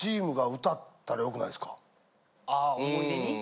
あ思い出に？